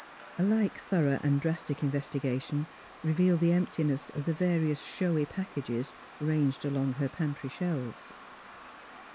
A like thorough and drastic investigation revealed the emptiness of the various showy packages ranged along her pantry shelves.